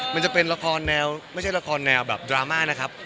มันจะเป็นละครแนวไม่ใช่ละครแนวแบบดราม่านะครับ